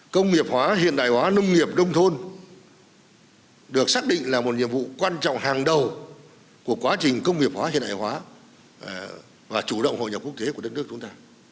công nghiệp hóa hiện đại hóa nông nghiệp nông thôn được xác định là một nhiệm vụ quan trọng hàng đầu của quá trình công nghiệp hóa hiện đại hóa và chủ động hội nhập quốc tế của đất nước chúng ta